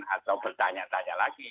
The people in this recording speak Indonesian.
atau bertanya tanya lagi